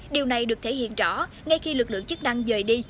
điều này được thể hiện rõ ngay khi lực lượng chức năng dời đi